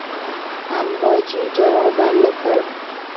امباجي جواب ورنه کړ.